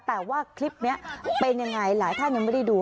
แต่ว่าคลิปนี้เป็นยังไงหลายท่านยังไม่ได้ดู